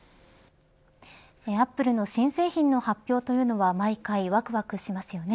アップルの新製品の発表というのは毎回わくわくしますよね。